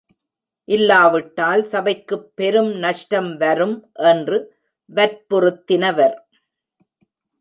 இல்லாவிட்டால் சபைக்குப் பெரும் நஷ்டம் வரும் என்று வற்புறுத்தினவர்!